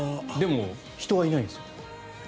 でも、人はいないんですよ。